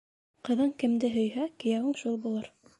Ҡыҙың кемде һөйһә, кейәүең шул булыр.